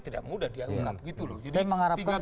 tidak mudah dianggap gitu loh